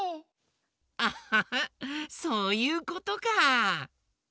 アッハハそういうことか！